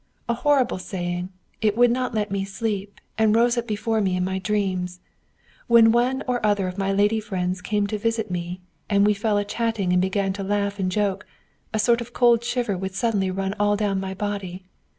A horrible saying! It would not let me sleep, and rose up before me in my dreams. When one or other of my lady friends came to visit me and we fell a chatting and began to laugh and joke, a sort of cold shiver would suddenly run all down my body.